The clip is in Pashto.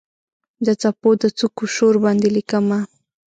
د څپو د څوکو شور باندې لیکمه